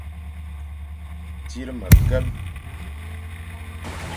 Tsir mekel.